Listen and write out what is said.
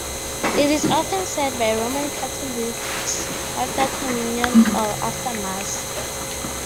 It is often said by Roman Catholics after Communion or after Mass.